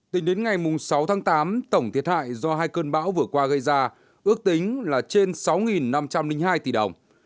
tính đến ngày sáu tháng tám tổng thiệt hại do hai cơn bão vừa qua gây ra ước tính là trên sáu năm trăm linh hai tỷ đồng